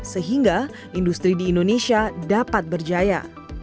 sehingga industri di indonesia dapat berjaya